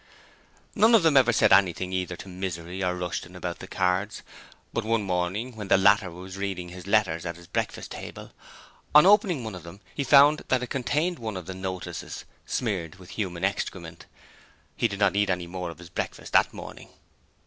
None of them ever said anything to either Misery or Rushton about the cards, but one morning when the latter was reading his letters at the breakfast table, on opening one of them he found that it contained one of the notices, smeared with human excrement. He did not eat any more breakfast that morning.